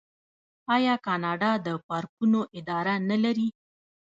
آیا کاناډا د پارکونو اداره نلري؟